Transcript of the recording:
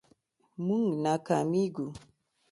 مونږ ناکامیږو